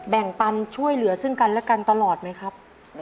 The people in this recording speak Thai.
แบ่งปันช่วยเหลือซึ่งกันและกันตลอดไหมครับ